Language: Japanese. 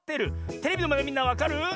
テレビのまえのみんなわかる？